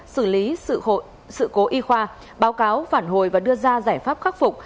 xử lý sự cố y khoa báo cáo phản hồi và đưa ra giải pháp khắc phục